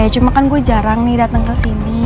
cuma kan gue jarang nih dateng kesini